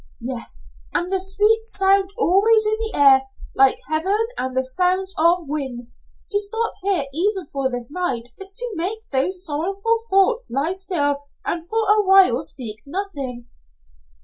Yes, and the sweet sound always in the air like heaven and the sound of wings to stop here even for this night is to make those sorrowful thoughts lie still and for a while speak nothing."